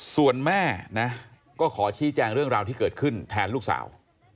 ส่วนแม่นะก็ขอชี้แจงเรื่องราวที่เกิดขึ้นแทนลูกสาว